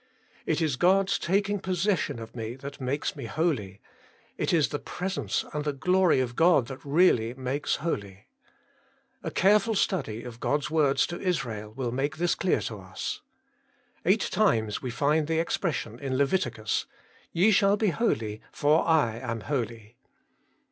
It is God's taking possession of me that makes me holy ; it is the Presence and the glory of God that really makes holy. A careful study of God's words to Israel will make this clear to us. Eight times we find the expression in Leviticus, ' Ye shall be holy, for I am holy.'